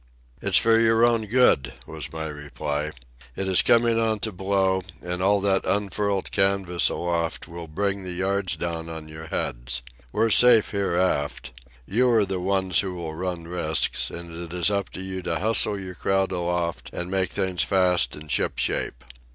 "It's for your own good," was my reply. "It is coming on to blow, and all that unfurled canvas aloft will bring the yards down on your heads. We're safe here, aft. You are the ones who will run risks, and it is up to you to hustle your crowd aloft and make things fast and ship shape."